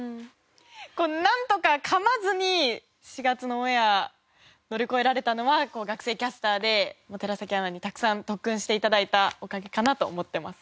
こうなんとかかまずに４月のオンエア乗り越えられたのは学生キャスターで寺崎アナにたくさん特訓して頂いたおかげかなと思ってます。